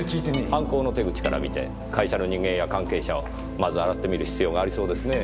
犯行の手口から見て会社の人間や関係者をまず洗ってみる必要がありそうですねぇ。